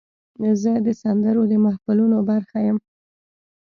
زه د سندرو د محفلونو برخه یم.